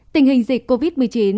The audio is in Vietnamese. tình hình dịch covid một mươi chín